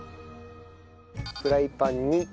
フライパンに。